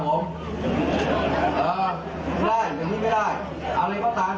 ต้องมาช่วยอีกครั้ง